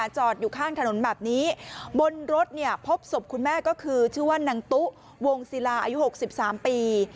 จอดอยู่ข้างถนนแบบนี้บนรถเนี่ยพบศพคุณแม่ก็คือชื่อว่านางตุ๊วงศิลาอายุ๖๓ปี